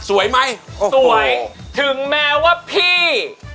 สวยไหมสวยถึงแม้ว่าพี่